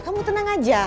kamu tenang aja